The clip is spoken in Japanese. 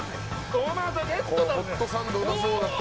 トマトゲットだ！